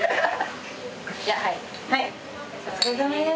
お疲れさまです。